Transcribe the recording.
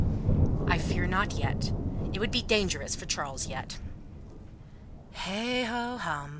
"I fear not yet. It would be dangerous for Charles yet." "Heigh ho hum!"